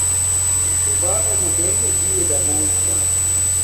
خدݳ ݳݺ بُٹݵݣݺ جِِیّݺ دمݸن چھݳ.